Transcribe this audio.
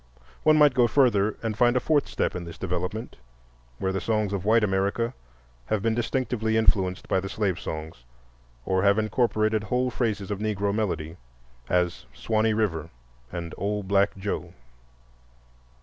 One might go further and find a fourth step in this development, where the songs of white America have been distinctively influenced by the slave songs or have incorporated whole phrases of Negro melody, as "Swanee River" and "Old Black Joe."